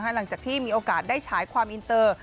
หลังจากที่มีโอกาสได้ฉายความอินเตอร์